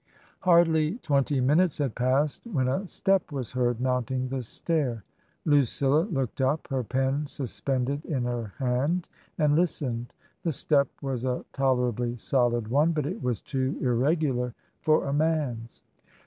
Hardly twenty minutes had passed when a step was heard mounting the stair. Lucilla looked up, her pen suspended in her hand, and listened. The step was a tolerably solid one, but it was too irregular for a man's.